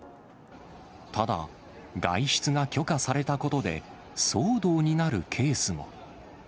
ただ、外出が許可されたことで、騒動になるケースも。